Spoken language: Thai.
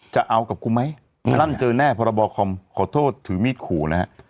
จะเอากับกูไหมนั่นเจอแน่พรบคอมขอโทษถือมีดขู่นะฮะ